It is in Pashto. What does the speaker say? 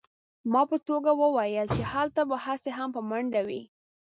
ما په ټوکه وویل چې هلته به هسې هم په منډه وې